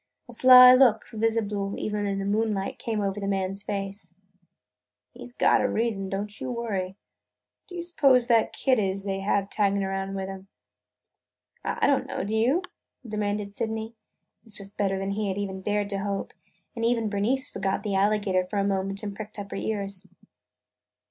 A sly look, visible even in the moonlight, came over the man's face. "He 's got a reason – don't you worry! Who do you suppose that kid is they have taggin' around with them?" "Why, I don't know; do you?" demanded Sydney. This was better than he had even dared to hope. And even Bernice forgot the alligator for a moment and pricked up her ears.